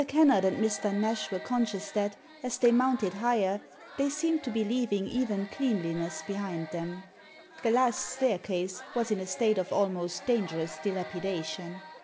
Kennard and Mr. Nash were con scious that, as they mounted higher, they seemed to be leaving even cleanliness behind them. The last staircase was in a state of almost dangerous dilapidation.